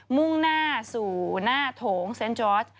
มุ่งหน้าสู่หน้าโถงเซ็นต์จอร์ส